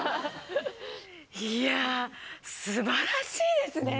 いやすばらしいですね。